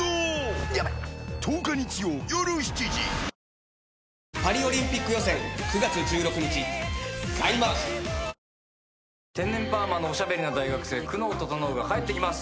「トリプルバリア」天然パーマのおしゃべりな大学生久能整が帰ってきます。